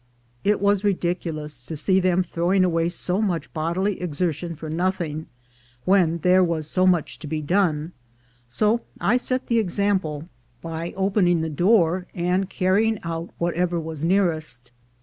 It was ridiculous to see them throwing away so much bodily exertion for nothing, when there was so much to be done, so I set the example by opening the door, and 325 326 THE GOLD HUNTERS carrying out whatever was nearest.